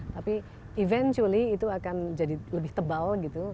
tapi eventually itu akan jadi lebih tebal